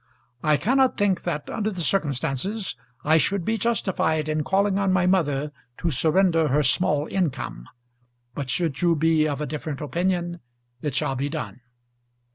I cannot think that, under the circumstances, I should be justified in calling on my mother to surrender her small income; but should you be of a different opinion, it shall be done.